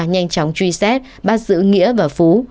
nhanh chóng truy xét bắt giữ nghĩa và phú